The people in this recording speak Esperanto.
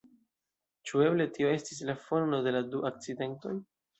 Ĉu eble tio estis la fono de la du akcidentoj?